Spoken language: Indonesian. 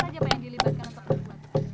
siapa saja yang ingin dilibatkan untuk membuatnya